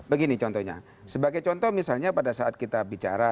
begini contohnya sebagai contoh misalnya pada saat kita bicara